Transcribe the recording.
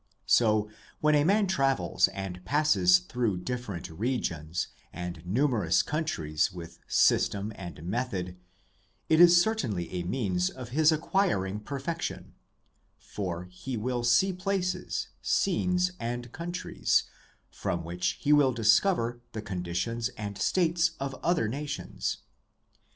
So, when a man travels and passes through different regions and numerous countries with system and method, it is certainly a means of his acquiring per fection; for he will see places, scenes, and countries, from which he will discover the conditions and states of other nations.